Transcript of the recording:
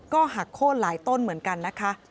ก็หักโค้นหลายต้นเหมือนกันนะคะ